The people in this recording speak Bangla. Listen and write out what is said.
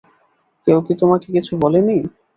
কেউ কি তোমাকে কিছু বলে নি?